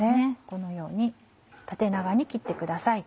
このように縦長に切ってください。